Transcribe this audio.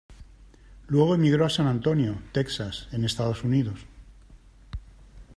Luego emigró a San Antonio, Texas, en Estados Unidos.